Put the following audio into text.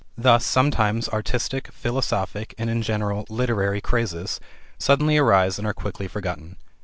Thus sometimes artistic, philosophic, and, in general, literary crazes suddenly arise and are as quickly forgotten.